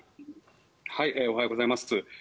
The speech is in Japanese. おはようございます。